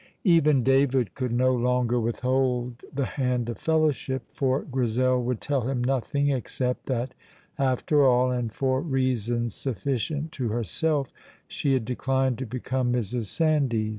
Even David could no longer withhold the hand of fellowship, for Grizel would tell him nothing, except that, after all, and for reasons sufficient to herself, she had declined to become Mrs. Sandys.